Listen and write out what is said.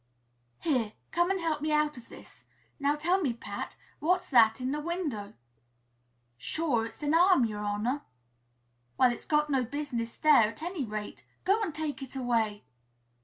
"Here! Come and help me out of this! Now tell me, Pat, what's that in the window?" "Sure, it's an arm, yer honor!" "Well, it's got no business there, at any rate; go and take it away!"